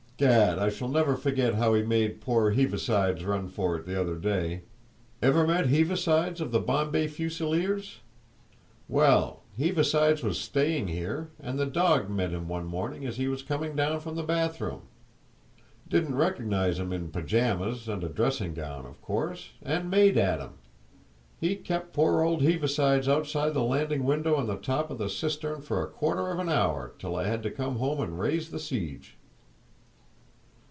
"Gad, I shall never forget how he made poor Heavisides run for it the other day! Ever met Heavisides of the Bombay Fusileers? Well, Heavisides was staying here, and the dog met him one morning as he was coming down from the bath room. Didn't recognise him in 'pajamas' and a dressing gown, of course, and made at him. He kept poor old Heavisides outside the landing window on top of the cistern for a quarter of an hour, till I had to come and raise the siege!"